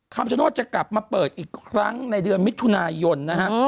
คำชโนธจะกลับมาเปิดอีกครั้งในเดือนมิถุนายนนะฮะ